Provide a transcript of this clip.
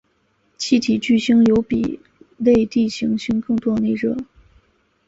气体巨星有比类地行星更多的内热。